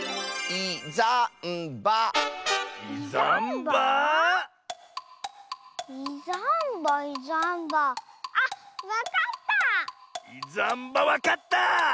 いざんばわかった！